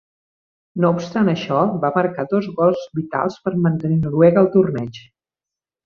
No obstant això, va marcar dos gols vitals per mantenir Noruega al torneig.